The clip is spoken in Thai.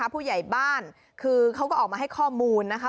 ผู้ใหญ่บ้านคือเขาก็ออกมาให้ข้อมูลนะคะ